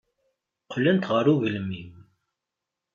Qqlent ɣer ugelmim.